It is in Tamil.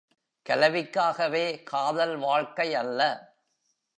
கலவிக்காகவே காதல் வாழ்க்கையல்ல.